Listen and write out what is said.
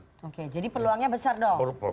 oke jadi peluangnya besar dong